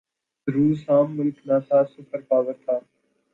روس عام ملک نہ تھا، سپر پاور تھا۔